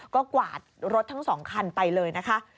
ก็กวาดรถทั้ง๒คันไปเลยนะคะ